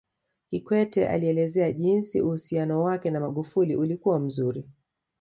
Kikwete alielezea jinsi uhusiano wake na Magufuli ulikuwa mzuri